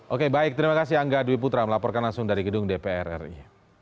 oke baik terima kasih angga dwi putra melaporkan langsung dari gedung dpr ri